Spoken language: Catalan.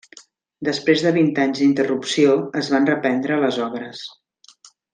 Després de vint anys d'interrupció, es van reprendre les obres.